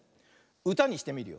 うたにしてみるよ。